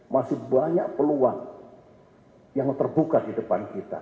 masih banyak peluang yang terbuka di depan kita